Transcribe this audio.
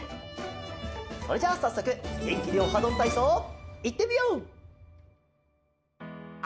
それじゃさっそくげんきに「オハどんたいそう」いってみよう！